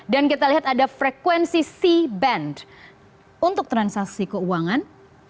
dan kita lihat ada frekuensi c band untuk transaksi keuangan